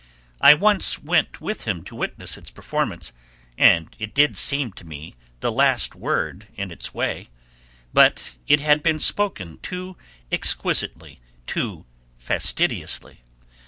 I once went with him to witness its performance, and it did seem to me the last word in its way, but it had been spoken too exquisitely, too fastidiously.